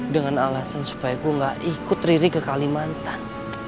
dengan alasan supaya aku gak ikut riri ke kalimantan